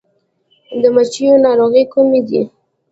د مچیو ناروغۍ کومې دي؟